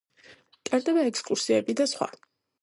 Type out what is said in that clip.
ტარდება ექსკურსიები და სხვა.